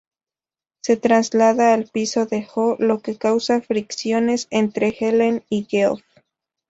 Se traslada al piso de Jo, lo que causa fricciones entre Helen y Geoff.